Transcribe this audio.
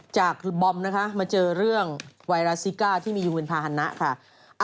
จากบอมนะคะมาเจอเรื่องไวรัสซิก้าที่มียูวินพาหนะค่ะ